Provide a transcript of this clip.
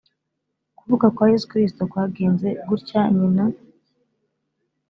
Kuvuka kwa Yesu Kristo kwagenze gutya Nyina